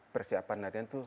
persiapan latihan itu